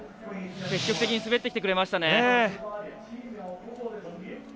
積極的に滑ってきてくれましたね。